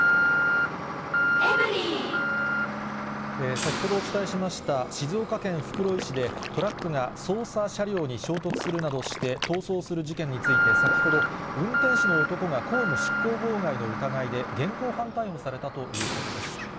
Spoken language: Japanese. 先ほどお伝えしました、静岡県袋井市で、トラックが捜査車両に衝突するなどして逃走する事件について、先ほど、運転手の男が公務執行妨害の疑いで現行犯逮捕されたということです。